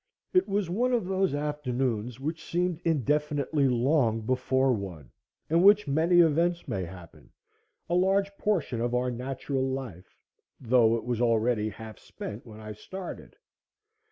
It was one of those afternoons which seem indefinitely long before one, in which many events may happen, a large portion of our natural life, though it was already half spent when I started.